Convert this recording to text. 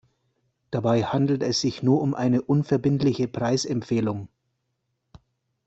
Dabei handelt es sich nur um eine unverbindliche Preisempfehlung.